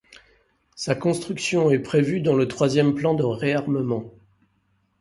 Sa construction est prévue dans le troisième plan de réarmement.